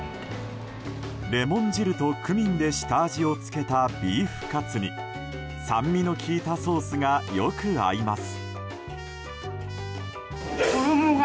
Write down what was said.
レモン汁とクミンで下味を付けたビーフカツに酸味の効いたソースがよく合います。